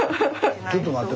ちょっと待って。